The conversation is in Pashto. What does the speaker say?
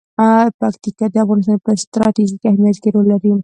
پکتیکا د افغانستان په ستراتیژیک اهمیت کې رول لري.